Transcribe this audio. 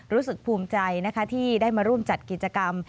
รู้สึกภูมิใจนะคะที่ได้มาร่วมจัดกิจกรรม